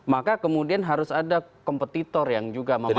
maka kemudian harus ada kompetitor yang juga memanfaatkan